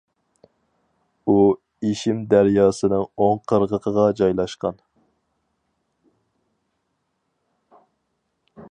ئۇ، ئىشىم دەرياسىنىڭ ئوڭ قىرغىقىغا جايلاشقان.